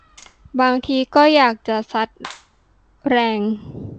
บางทีก็อยากจะซัดแรง